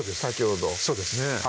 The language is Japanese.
そうです